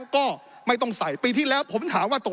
ก็ไม่ต้องใส่ปีที่แล้วผมถามว่าตก